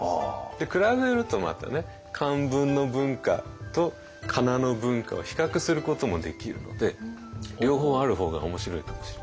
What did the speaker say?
比べるとまたね漢文の文化とかなの文化を比較することもできるので両方ある方が面白いかもしれないですね。